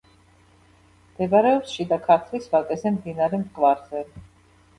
მდებარეობს შიდა ქართლის ვაკეზე, მდინარე მტკვარზე.